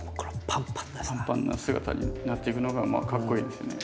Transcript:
パンパンな姿になっていくのがかっこイイですよね。